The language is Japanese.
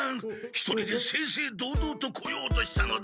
一人で正々堂々と来ようとしたのだが！